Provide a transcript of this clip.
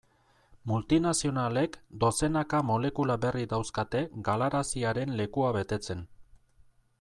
Multinazionalek dozenaka molekula berri dauzkate galaraziaren lekua betetzen.